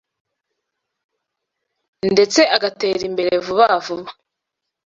ndetse agatera imbere vuba vuba